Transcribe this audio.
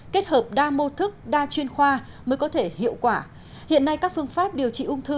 kết hợp đa mô thức đa chuyên khoa mới có thể hiệu quả hiện nay các phương pháp điều trị ung thư